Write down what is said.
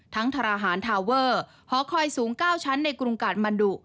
ทรหารทาเวอร์หอคอยสูง๙ชั้นในกรุงกาดมันดุ